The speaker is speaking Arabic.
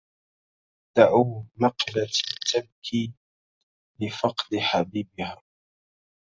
دعوا مقلتي تبكي لفقد حبيبها